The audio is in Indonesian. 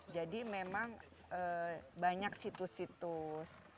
jadi memang banyak situs situs